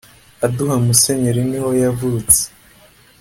aduha musenyeri ni ho yavutse